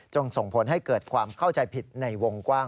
ส่งผลให้เกิดความเข้าใจผิดในวงกว้าง